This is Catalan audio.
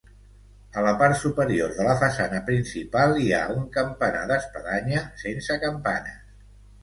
A la part superior de la façana principal hi ha un campanar d'espadanya sense campanes.